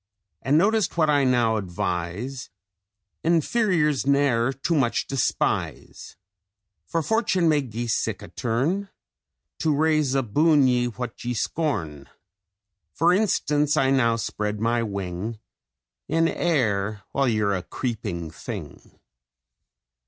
And notice what I now advise: Inferiors ne'er too much despise, For fortune may gie sic a turn, To raise aboon ye what ye scorn: For instance, now I spread my wing In air, while you're a creeping thing!'